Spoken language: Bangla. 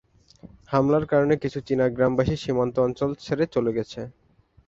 হামলার কারণে কিছু চীনা গ্রামবাসী সীমান্ত অঞ্চল ছেড়ে চলে গেছে।